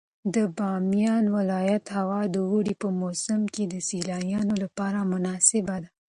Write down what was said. د بامیان ولایت هوا د اوړي په موسم کې د سیلانیانو لپاره مناسبه ده.